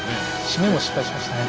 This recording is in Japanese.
締めも失敗しましたね。